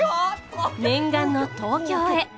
念願の東京へ。